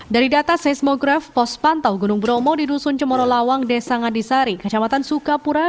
dari data seismograf pos pantau gunung bromo di dusun cemoro lawang desa ngadisari kecamatan sukapura